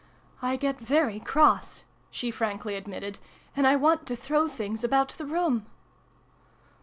I get very cross," she frankly admitted : "and I want to throw things about the room